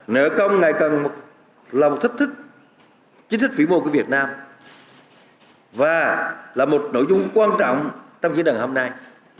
nợ công ngày càng là một thách thức chính thức phí mô của việt nam và là một nội dung quan trọng trong diễn đàn hôm nay